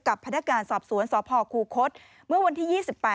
กับพนักการณ์สอบสวนสอบภอคูคตเมื่อวันที่๒๘